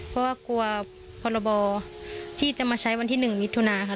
เขาว่ากลัวประกอบที่จะมาใช้วันที่๑มิถุนาโยนครับ